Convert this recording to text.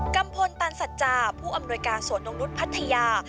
ัมพลตันสัจจาผู้อำนวยการสวนนกนุษย์พัทยา